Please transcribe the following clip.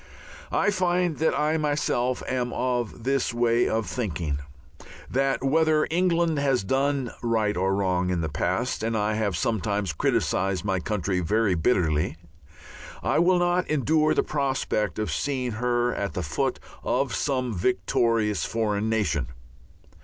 I find that I myself am of this way of thinking, that whether England has done right or wrong in the past and I have sometimes criticized my country very bitterly I will not endure the prospect of seeing her at the foot of some victorious foreign nation.